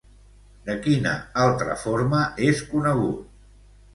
De quina altra forma és conegut?